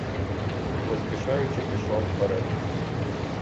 І поспішаючи пішла вперед.